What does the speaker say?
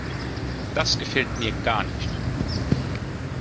Das gefällt mir gar nicht.